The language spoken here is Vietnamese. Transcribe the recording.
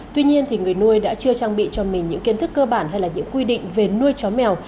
tuy nhiên thì người nuôi đã chưa trang bị cho mình những kiến thức cơ bản hay là những quy định về nuôi chó mèo